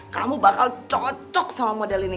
kamu bakal cocok sama model ini